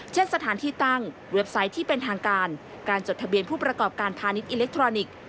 เช่นสถานที่ตั้งเว็บไซต์ที่เป็นทางการการจดทะเบียนผู้ประกอบการพาณิชอิเล็กทรอนิกส์